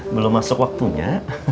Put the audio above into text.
belum masuk waktunya